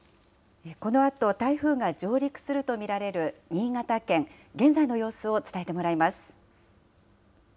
このあと台風が上陸するとみられる新潟県、現在の様子を伝えてもらいます。